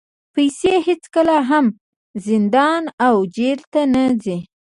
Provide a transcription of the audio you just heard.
پیسې هېڅکله هم زندان او جېل ته نه ځي.